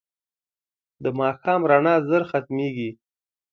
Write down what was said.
د ماښام رڼا ژر ختمېږي